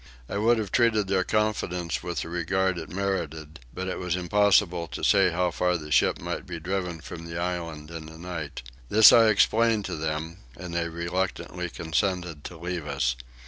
I would have treated their confidence with the regard it merited but it was impossible to say how far the ship might be driven from the island in the night. This I explained to them and they reluctantly consented to leave us.